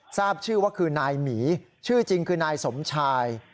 ทราบชื่อว่าคือนายหมีชื่อจริงคือนายสมชาย